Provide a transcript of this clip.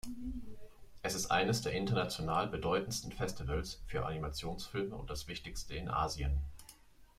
Es ist eines der international bedeutendsten Festivals für Animationsfilme und das wichtigste in Asien.